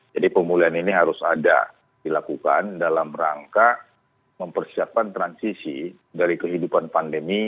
jadi pemulihan ini harus ada dilakukan dalam rangka mempersiapkan transisi dari kehidupan pandemi